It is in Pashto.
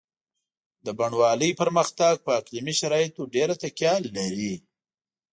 د بڼوالۍ پرمختګ په اقلیمي شرایطو ډېره تکیه لري.